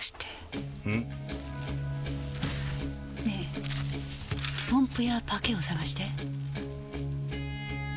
ねえポンプやパケを探して。